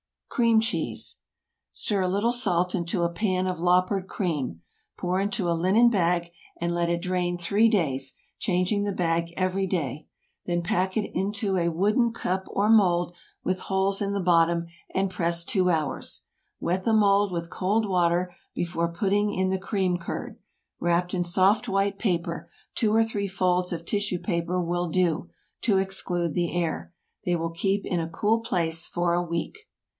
CREAM CHEESE. Stir a little salt into a pan of "loppered" cream. Pour into a linen bag, and let it drain three days, changing the bag every day. Then pack into a wooden cup or mould with holes in the bottom, and press two hours. Wet the mould with cold water before putting in the cream curd. Wrapped in soft white paper—two or three folds of tissue paper will do—to exclude the air, they will keep in a cool place for a week.